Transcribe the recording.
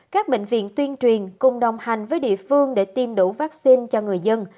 các bệnh viện tuyên truyền cùng đồng hành với địa phương để tiêm đủ vaccine cho người dân